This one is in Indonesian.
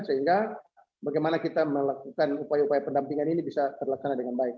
sehingga bagaimana kita melakukan upaya upaya pendampingan ini bisa terlaksana dengan baik